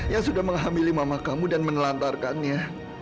yang sudah menghamili mama kamu dan menelantarkannya